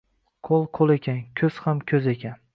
Qo’l — qo’l ekan, ko’z ham ko’z ekan.